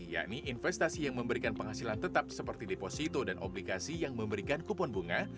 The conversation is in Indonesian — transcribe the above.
yakni investasi yang memberikan penghasilan tetap seperti deposito dan obligasi yang memberikan kupon bunga